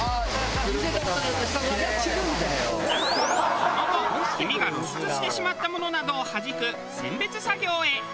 その後黄身が露出してしまったものなどをはじく選別作業へ。